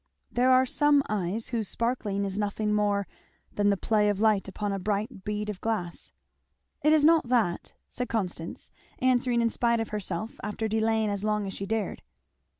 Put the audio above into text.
"There are some eyes whose sparkling is nothing more than the play of light upon a bright bead of glass." "It is not that," said Constance, answering in spite of herself after delaying as long as she dared.